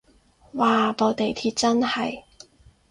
嘩部地鐵真係